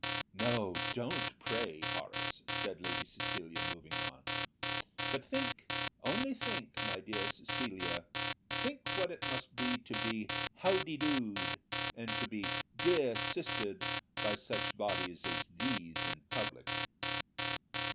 "No, don't pray, Horace," said Lady Cecilia, moving on. "But think, only think, my dear Lady Cecilia; think what it must be to be 'How d'ye doed,' and to be 'dear sistered' by such bodies as these in public."